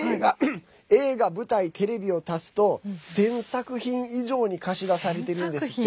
映画、舞台、テレビを足すと１０００作品以上に貸し出されているんですって。